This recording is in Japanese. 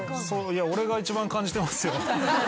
俺が一番感じてますよ。